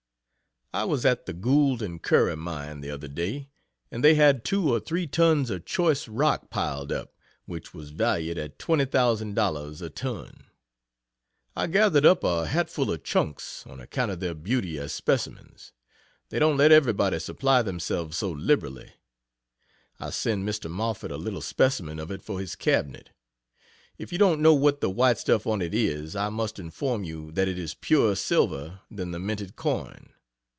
I was at the Gould and Curry mine, the other day, and they had two or three tons of choice rock piled up, which was valued at $20,000 a ton. I gathered up a hat full of chunks, on account of their beauty as specimens they don't let everybody supply themselves so liberally. I send Mr. Moffett a little specimen of it for his cabinet. If you don't know what the white stuff on it is, I must inform you that it is purer silver than the minted coin.